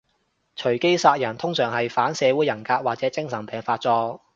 隨機殺人通常係反社會人格或者精神病發作